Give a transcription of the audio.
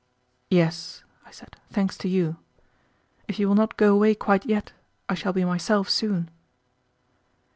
"Yes," I said, "thanks to you. If you will not go away quite yet, I shall be myself soon."